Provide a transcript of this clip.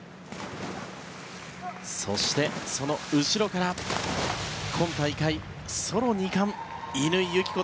そして、その後ろから今大会ソロ２冠、乾友紀子。